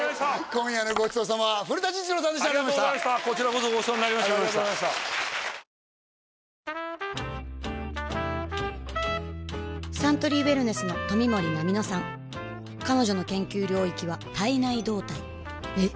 今夜のごちそう様は古伊知郎さんでしたありがとうございましたこちらこそごちそうになりましたサントリーウエルネスの冨森菜美乃さん彼女の研究領域は「体内動態」えっ？